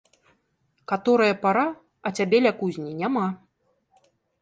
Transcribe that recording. Каторая пара, а цябе ля кузні няма.